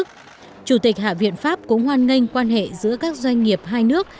chủ tịch hạ viện pháp cũng hoan nghênh quan hệ giữa các doanh nghiệp hai nước